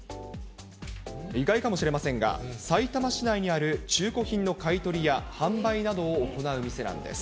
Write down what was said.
意外かもしれませんが、さいたま市内にある中古品の買い取りや販売などを行う店なんです。